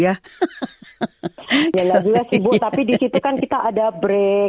ya lah juga sih ibu tapi di situ kan kita ada break